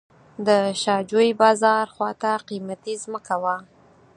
د شاه جوی بازار خواته قیمتي ځمکه وه.